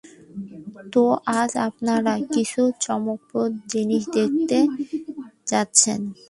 তো, আজ আপনারা কিছু চমকপ্রদ জিনিস দেখতে যাচ্ছেন।